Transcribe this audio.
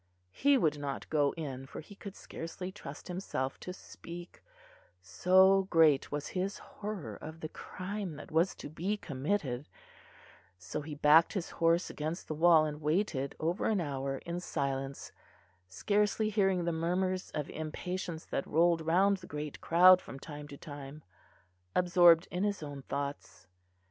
He would not go in, for he could scarcely trust himself to speak, so great was his horror of the crime that was to be committed; so he backed his horse against the wall, and waited over an hour in silence, scarcely hearing the murmurs of impatience that rolled round the great crowd from time to time, absorbed in his own thoughts.